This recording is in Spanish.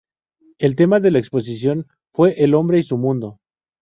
El tema de la exposición fue "el hombre y su mundo".